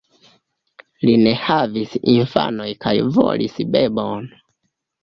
Li ne havis infanoj kaj volis bebon.